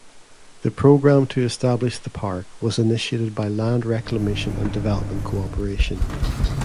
The program to establish the park was initiated by Land Reclamation and Development Cooperation.